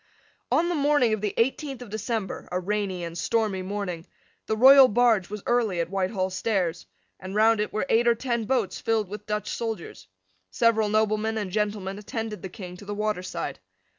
On the morning of the eighteenth of December, a rainy and stormy morning, the royal barge was early at Whitehall stairs; and round it were eight or ten boats filled with Dutch soldiers. Several noblemen and gentlemen attended the King to the waterside.